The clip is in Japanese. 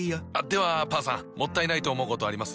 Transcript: ではパンさんもったいないと思うことあります？